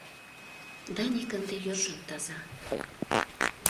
Даник ынде йӧршын таза.